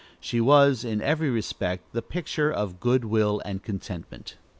She was, in every respect, the picture of good will and contentment.